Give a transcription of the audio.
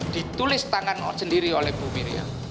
ditulis tangan sendiri oleh bu miriam